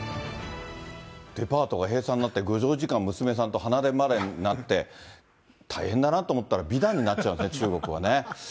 デパートが閉鎖になって、５０時間娘さんと離れ離れになって、大変だなと思ったら美談になっちゃうんだね、中国はね。